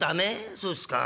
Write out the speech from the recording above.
そうっすか。